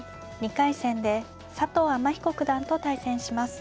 ２回戦で佐藤天彦九段と対戦します。